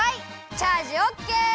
チャージオッケー！